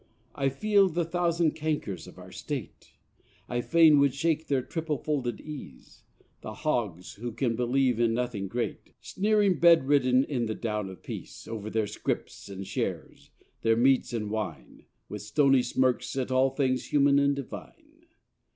I feel the thousand cankers of our State, I fain would shake their triple folded ease, The hogs who can believe in nothing great, Sneering bedridden in the down of Peace Over their scrips and shares, their meats and wine, With stony smirks at all things human and divine!